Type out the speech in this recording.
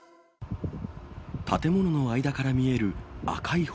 建物の間から見える赤い炎。